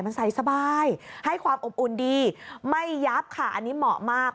มันใส่สบายให้ความอบอุ่นดีไม่ยับค่ะอันนี้เหมาะมาก